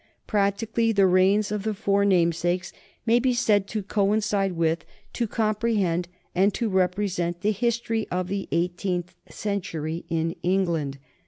Practically, the reigns of the four namesakes may be said to coincide with, to comprehend, and to represent the history of the eighteenth century in England.